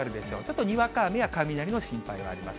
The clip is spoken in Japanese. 特ににわか雨や雷の心配があります。